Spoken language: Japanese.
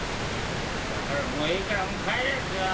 だからもういいから帰れ！